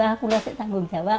saya harus bertanggung jawab